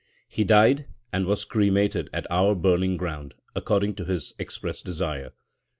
He died, and was cremated at our burning ground, according to his express desire.